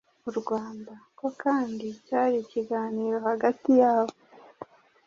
u Rwanda. Ko kandi cyari ikiganiro hagati yabo